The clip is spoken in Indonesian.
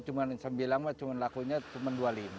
cuman sembilan mah cuman lakunya cuman dua puluh lima